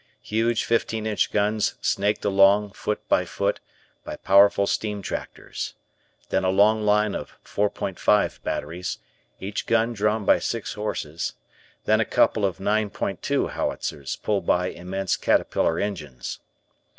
Huge fifteen inch guns snaked along, foot by foot, by powerful steam tractors. Then a long line of "four point five" batteries, each gun drawn by six horses, then a couple of "nine point two" howitzers pulled by immense caterpillar engines.